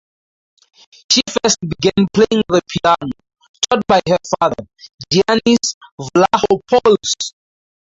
She first began playing the piano, taught by her father, Giannis Vlahopoulos.